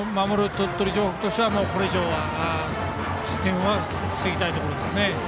鳥取城北としてはこれ以上は失点は防ぎたいですね。